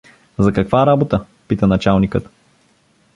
— За каква работа? — пита началникът.